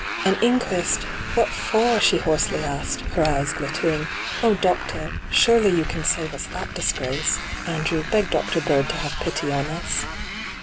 ' An inquest ! What for ?' she hoarsely asked, her eyes glittering. 'Oh, doctor I surely you can save us that di^ace ? Andrew, beg Dr. Bird to have pity on us.'